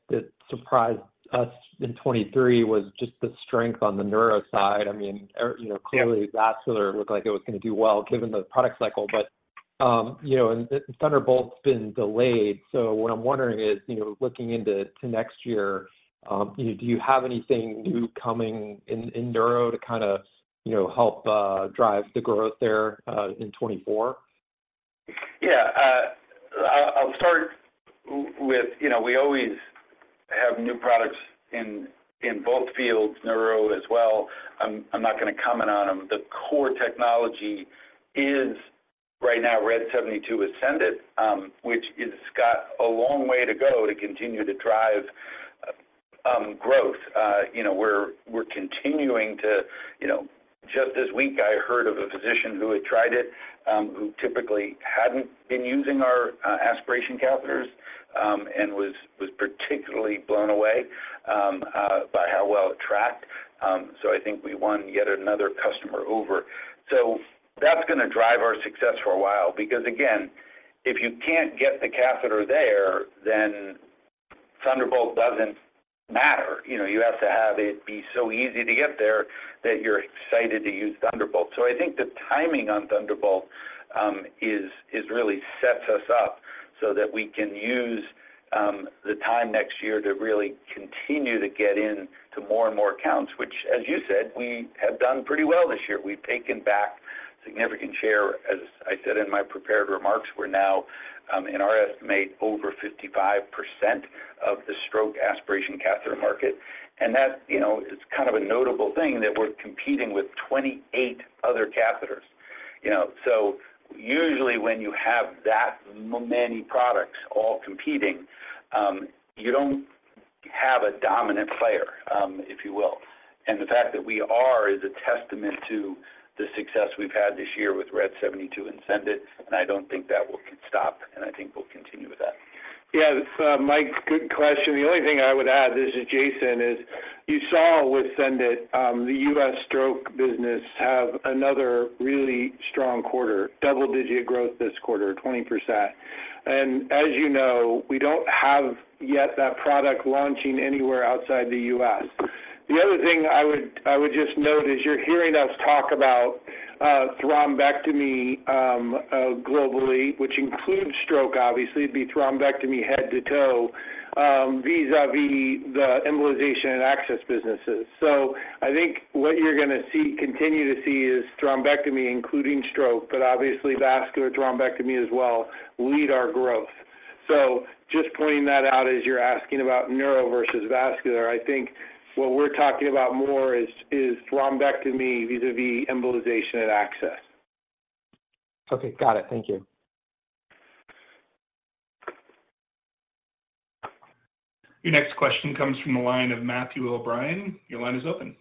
surprised us in 2023 was just the strength on the neuro side. I mean, you know, clearly- Yeah ...vascular looked like it was gonna do well, given the product cycle, but, you know, and Thunderbolt's been delayed. So what I'm wondering is, you know, looking into next year, do you, do you have anything new coming in, in neuro to kind of, you know, help drive the growth there, in 2024? Yeah, I'll start with, you know, we always have new products in both fields, neuro as well. I'm not gonna comment on them. The core technology is right now RED 72 with SENDit, which has got a long way to go to continue to drive growth. You know, just this week, I heard of a physician who had tried it, who typically hadn't been using our aspiration catheters, and was particularly blown away by how well it tracked. So I think we won yet another customer over. So that's gonna drive our success for a while, because, again, if you can't get the catheter there, Thunderbolt doesn't matter. You know, you have to have it be so easy to get there that you're excited to use Thunderbolt. So I think the timing on Thunderbolt is really sets us up so that we can use the time next year to really continue to get in to more and more accounts, which, as you said, we have done pretty well this year. We've taken back significant share. As I said in my prepared remarks, we're now in our estimate, over 55% of the stroke aspiration catheter market, and that, you know, is kind of a notable thing, that we're competing with 28 other catheters. You know, so usually when you have that many products all competing, you don't have a dominant player, if you will. And the fact that we are is a testament to the success we've had this year with RED 72 and SENDit, and I don't think that will stop, and I think we'll continue with that. Yeah. So Mike, good question. The only thing I would add, this is Jason, is you saw with SENDit, the U.S. stroke business have another really strong quarter, double-digit growth this quarter, 20%. And as you know, we don't have yet that product launching anywhere outside the U.S. The other thing I would just note is you're hearing us talk about thrombectomy globally, which includes stroke, obviously, it'd be thrombectomy, head to toe, vis-a-vis the embolization and access businesses. So I think what you're gonna see, continue to see is thrombectomy, including stroke, but obviously vascular thrombectomy as well, lead our growth. So just pointing that out as you're asking about neuro versus vascular, I think what we're talking about more is thrombectomy, vis-a-vis embolization and access. Okay. Got it. Thank you. Your next question comes from the line of Matthew O'Brien. Your line is open.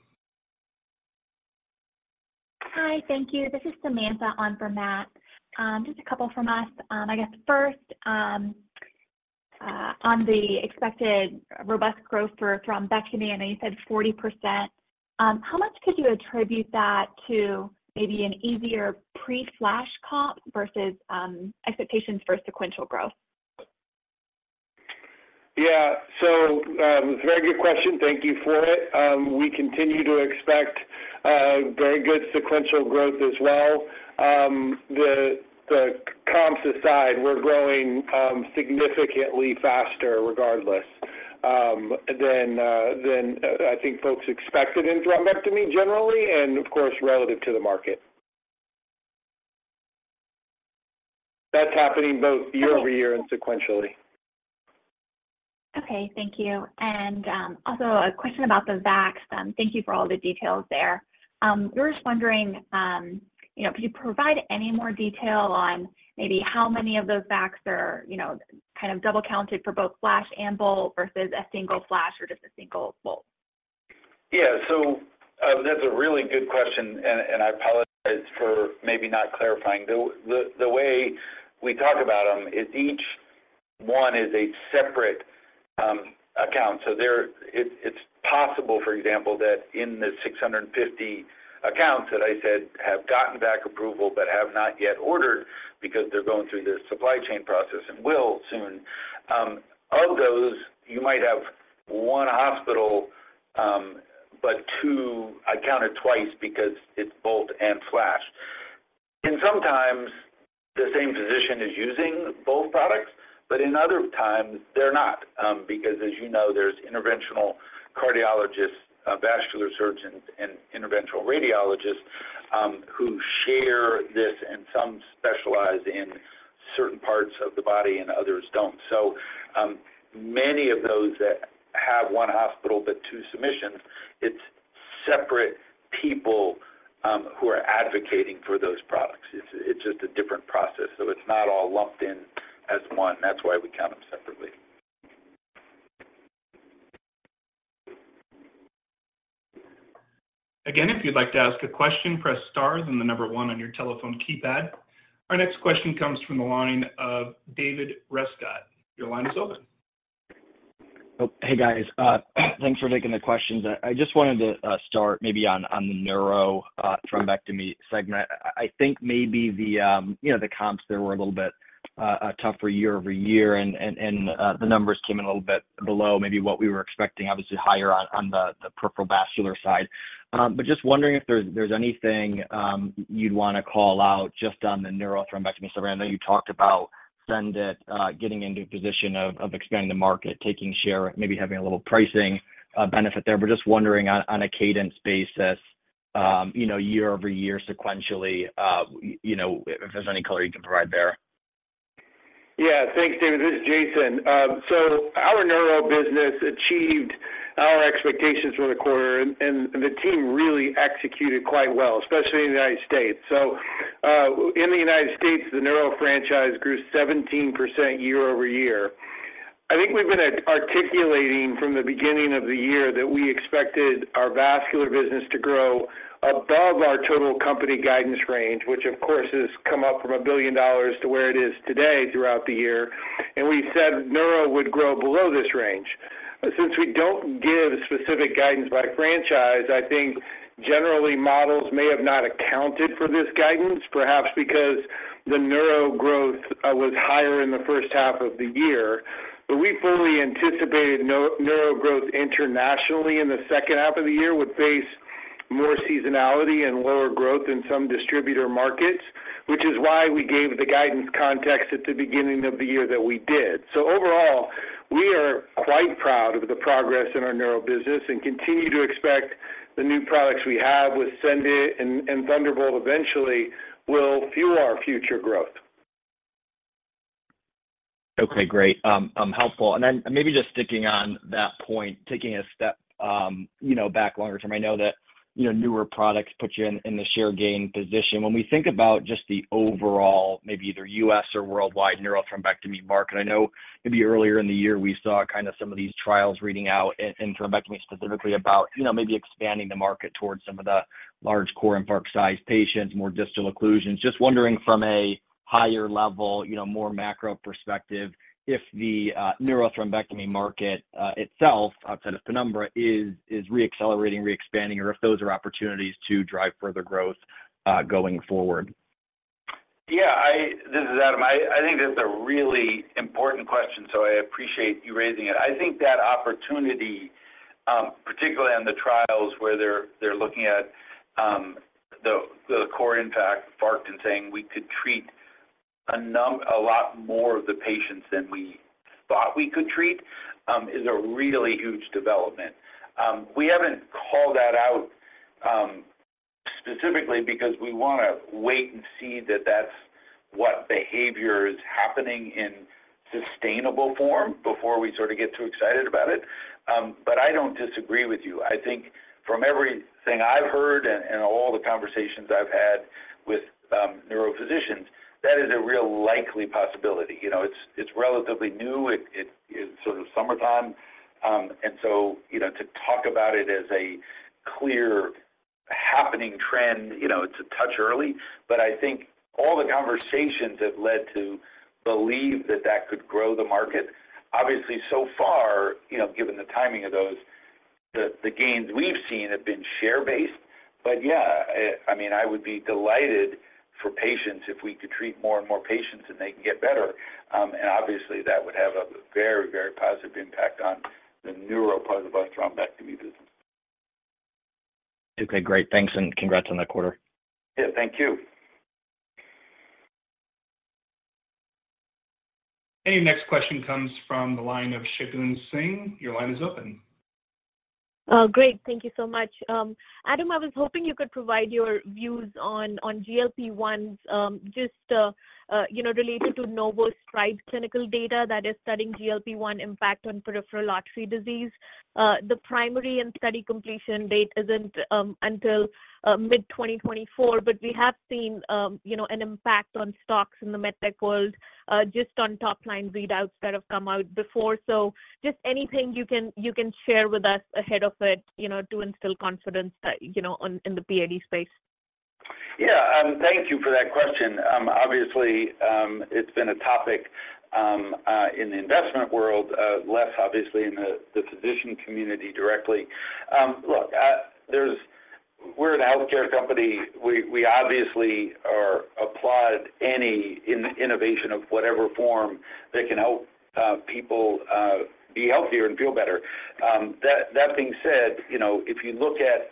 Hi, thank you. This is Samantha on for Matt. Just a couple from us. I guess first, on the expected robust growth for thrombectomy, I know you said 40%. How much could you attribute that to maybe an easier pre-Flash comp versus expectations for sequential growth? Yeah. So, very good question. Thank you for it. We continue to expect very good sequential growth as well. The comps aside, we're growing significantly faster regardless than I think folks expected in thrombectomy generally, and of course, relative to the market. That's happening both year-over-year and sequentially. Okay, thank you. Also a question about the VAC. Thank you for all the details there. We're just wondering, you know, could you provide any more detail on maybe how many of those VACs are, you know, kind of double-counted for both Flash and Bolt versus a single Flash or just a single Bolt? Yeah. So, that's a really good question, and I apologize for maybe not clarifying. The way we talk about them is each one is a separate account. So it's possible, for example, that in the 650 accounts that I said have gotten VAC approval but have not yet ordered because they're going through their supply chain process and will soon, of those, you might have one hospital, but two, I count it twice because it's Bolt and Flash. And sometimes the same physician is using both products, but in other times, they're not. Because as you know, there's interventional cardiologists, vascular surgeons, and interventional radiologists, who share this, and some specialize in certain parts of the body and others don't. So, many of those that have one hospital, but two submissions, it's separate people who are advocating for those products. It's just a different process, so it's not all lumped in as one. That's why we count them separately. Again, if you'd like to ask a question, press star, then the number one on your telephone keypad. Our next question comes from the line of David Rescott. Your line is open. Oh, hey, guys. Thanks for taking the questions. I just wanted to start maybe on the neuro thrombectomy segment. I think maybe you know the comps there were a little bit tougher year-over-year, and the numbers came in a little bit below maybe what we were expecting, obviously higher on the peripheral vascular side. But just wondering if there's anything you'd want to call out just on the neuro thrombectomy around. I know you talked about SENDit getting into a position of expanding the market, taking share, maybe having a little pricing benefit there. But just wondering on a cadence basis, you know, year-over-year, sequentially, you know, if there's any color you can provide there. Yeah. Thanks, David. This is Jason. So our neuro business achieved our expectations for the quarter, and the team really executed quite well, especially in the United States. So, in the United States, the neuro franchise grew 17% year-over-year. I think we've been articulating from the beginning of the year that we expected our vascular business to grow above our total company guidance range, which of course, has come up from $1 billion to where it is today throughout the year, and we said neuro would grow below this range.... Since we don't give specific guidance by franchise, I think generally models may have not accounted for this guidance, perhaps because the neuro growth was higher in the first half of the year. But we fully anticipated neuro growth internationally in the second half of the year would face more seasonality and lower growth in some distributor markets, which is why we gave the guidance context at the beginning of the year that we did. So overall, we are quite proud of the progress in our neuro business and continue to expect the new products we have with SENDit and Thunderbolt eventually will fuel our future growth. Okay, great. Helpful. And then maybe just sticking on that point, taking a step, you know, back longer term, I know that, you know, newer products put you in, in the share gain position. When we think about just the overall, maybe either U.S. or worldwide neurothrombectomy market, I know maybe earlier in the year we saw kind of some of these trials reading out in, in thrombectomy, specifically about, you know, maybe expanding the market towards some of the large core and penumbra size patients, more distal occlusions. Just wondering from a higher level, you know, more macro perspective, if the, neurothrombectomy market, itself, outside of Penumbra, is, is reaccelerating, re expanding, or if those are opportunities to drive further growth, going forward? Yeah, this is Adam. I think that's a really important question, so I appreciate you raising it. I think that opportunity, particularly on the trials where they're looking at the core lab impact and saying, we could treat a lot more of the patients than we thought we could treat, is a really huge development. We haven't called that out specifically because we wanna wait and see that that's what behavior is happening in sustainable form before we sort of get too excited about it. But I don't disagree with you. I think from everything I've heard and all the conversations I've had with neurophysicians, that is a real likely possibility. You know, it's relatively new. It's sort of summertime, and so, you know, to talk about it as a clear happening trend, you know, it's a touch early, but I think all the conversations have led to believe that that could grow the market. Obviously, so far, you know, given the timing of those, the gains we've seen have been share-based. But yeah, I mean, I would be delighted for patients if we could treat more and more patients and they can get better. And obviously, that would have a very, very positive impact on the neuro part of our thrombectomy business. Okay, great. Thanks, and congrats on that quarter. Yeah, thank you. Your next question comes from the line of Shagun Singh. Your line is open. Oh, great. Thank you so much. Adam, I was hoping you could provide your views on GLP-1s, just you know, related to Novo STRIDE clinical data that is studying GLP-1 impact on peripheral artery disease. The primary and study completion date isn't until mid-2024, but we have seen you know, an impact on stocks in the medtech world, just on top-line readouts that have come out before. So just anything you can, you can share with us ahead of it, you know, to instill confidence you know, in the PAD space. Yeah, thank you for that question. Obviously, it's been a topic in the investment world, less obviously in the physician community directly. Look, we're a healthcare company. We obviously applaud any innovation of whatever form that can help people be healthier and feel better. That being said, you know, if you look at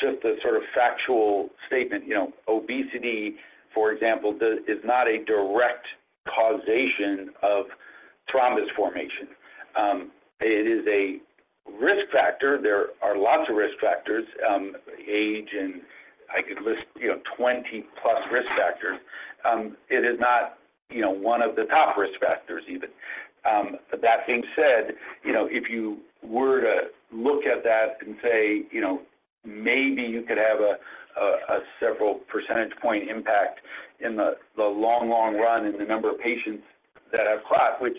just the sort of factual statement, you know, obesity, for example, is not a direct causation of thrombus formation. It is a risk factor. There are lots of risk factors, age, and I could list, you know, 20+ risk factors. It is not, you know, one of the top risk factors even. But that being said, you know, if you were to look at that and say, you know, maybe you could have a several percentage point impact in the long run in the number of patients that have clot, which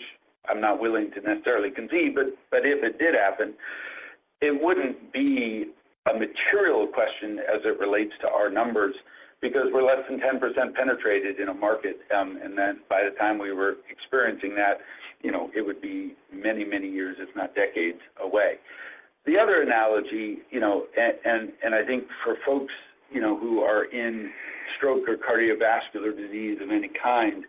I'm not willing to necessarily concede, but if it did happen, it wouldn't be a material question as it relates to our numbers because we're less than 10% penetrated in a market. And then by the time we were experiencing that, you know, it would be many, many years, if not decades away. The other analogy, you know, and I think for folks, you know, who are in stroke or cardiovascular disease of any kind,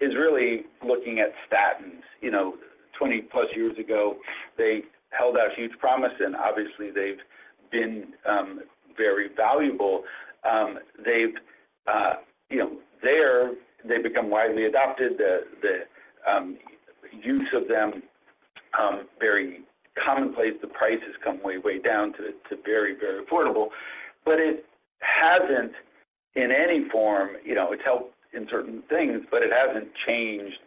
is really looking at statins. You know, 20+ years ago, they held out huge promise, and obviously, they've been very valuable. You know, they've become widely adopted. The use of them very commonplace. The price has come way, way down to very, very affordable, but it hasn't in any form, you know, it's helped in certain things, but it hasn't changed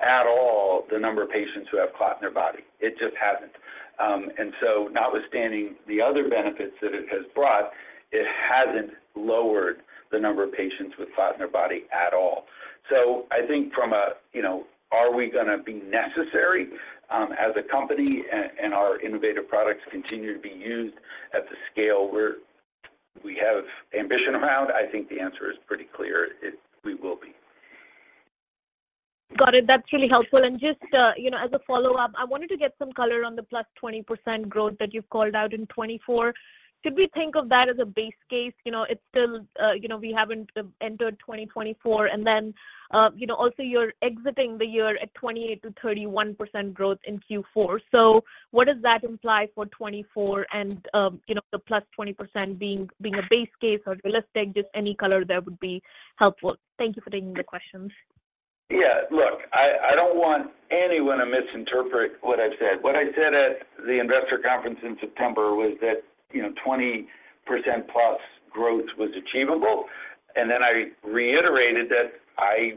at all the number of patients who have clot in their body. It just hasn't. And so notwithstanding the other benefits that it has brought, it hasn't lowered the number of patients with clot in their body at all. So I think from a, you know, are we gonna be necessary as a company and our innovative products continue to be used at the scale where we have ambition around? I think the answer is pretty clear. We will be.... Got it. That's really helpful. And just, you know, as a follow-up, I wanted to get some color on the +20% growth that you've called out in 2024. Should we think of that as a base case? You know, it's still, you know, we haven't entered 2024, and then, you know, also you're exiting the year at 28%-31% growth in Q4. So what does that imply for 2024? And, you know, the +20% being, being a base case or realistic, just any color there would be helpful. Thank you for taking the questions. Yeah, look, I don't want anyone to misinterpret what I've said. What I said at the investor conference in September was that, you know, 20%+ growth was achievable, and then I reiterated that I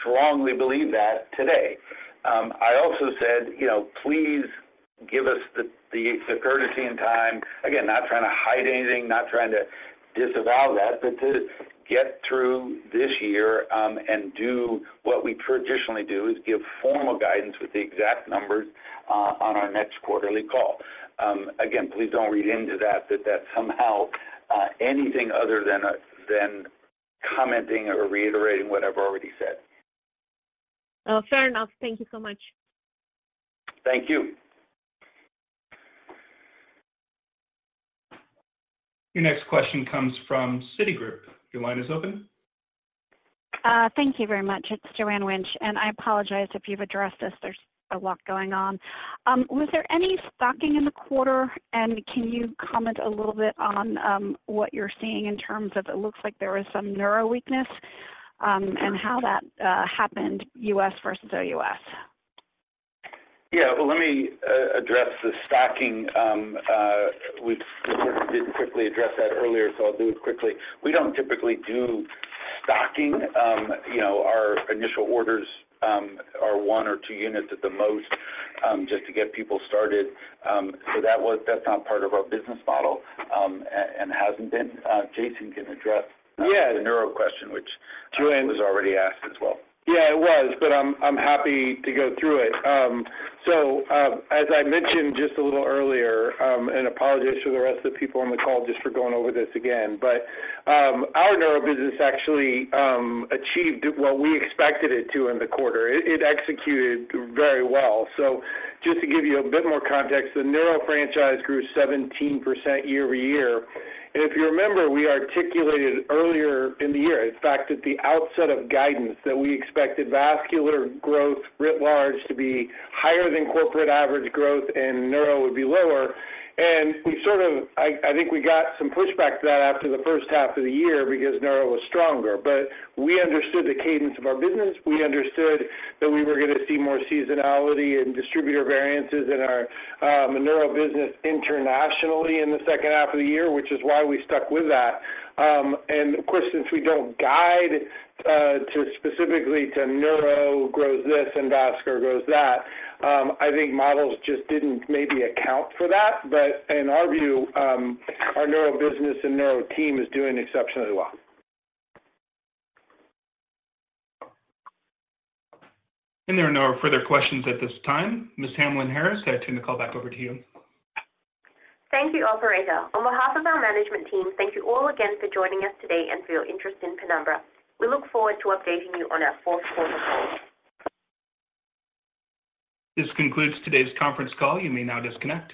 strongly believe that today. I also said, you know, please give us the courtesy and time. Again, not trying to hide anything, not trying to disavow that, but to get through this year, and do what we traditionally do, is give formal guidance with the exact numbers on our next quarterly call. Again, please don't read into that, that's somehow anything other than commenting or reiterating what I've already said. Oh, fair enough. Thank you so much. Thank you. Your next question comes from Citigroup. Your line is open. Thank you very much. It's Joanne Wuensch, and I apologize if you've addressed this. There's a lot going on. Was there any stocking in the quarter? And can you comment a little bit on what you're seeing in terms of it looks like there was some neuro weakness, and how that happened U.S. versus O.U.S.? Yeah. Well, let me address the stocking. We sort of didn't quickly address that earlier, so I'll do it quickly. We don't typically do stocking. You know, our initial orders are one or two units at the most, just to get people started. So that was... That's not part of our business model, and hasn't been. Jason can address- Yeah - the neuro question, which- Joanne- was already asked as well. Yeah, it was, but I'm happy to go through it. So, as I mentioned just a little earlier, and apologies to the rest of the people on the call just for going over this again, but, our neuro business actually achieved what we expected it to in the quarter. It executed very well. So just to give you a bit more context, the neuro franchise grew 17% year-over-year. And if you remember, we articulated earlier in the year, in fact, at the outset of guidance, that we expected vascular growth, writ large, to be higher than corporate average growth and neuro would be lower. And we sort of, I think we got some pushback to that after the first half of the year because neuro was stronger. But we understood the cadence of our business. We understood that we were going to see more seasonality and distributor variances in our neuro business internationally in the second half of the year, which is why we stuck with that. And of course, since we don't guide to specifically neuro grows this and vascular grows that, I think models just didn't maybe account for that. But in our view, our neuro business and neuro team is doing exceptionally well. There are no further questions at this time. Ms. Hamlyn-Harris, I turn the call back over to you. Thank you, operator. On behalf of our management team, thank you all again for joining us today and for your interest in Penumbra. We look forward to updating you on our fourth quarter call. This concludes today's conference call. You may now disconnect.